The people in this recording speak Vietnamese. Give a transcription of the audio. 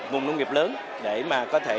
vùng nông nghiệp lớn để có thể